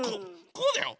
こうだよ！